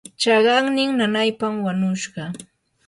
chaqannin nanaypam wanushqa.